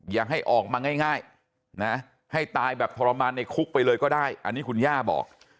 อย่าให้ออกมาง่ายนะให้ตายแบบทรมานในคุกไปเลยก็ได้อันนี้คุณย่าบอก